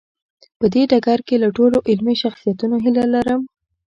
په دې ډګر کې له ټولو علمي شخصیتونو هیله لرم.